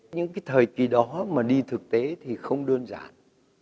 những cái thời kỳ đó mà đi thực tế thì không đơn giản